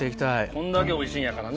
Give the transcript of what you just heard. こんだけおいしいんやからね。